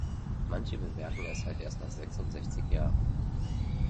Manche bemerken es halt erst nach sechsundsechzig Jahren.